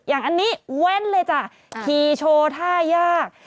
อย่างอันนี้แว้นเลยจ้ะขี่โชว์ท่ายาก